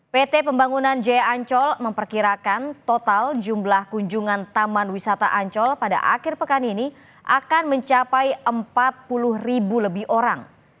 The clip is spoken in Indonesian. pt pembangunan jaya ancol memperkirakan total jumlah kunjungan taman wisata ancol pada akhir pekan ini akan mencapai empat puluh ribu lebih orang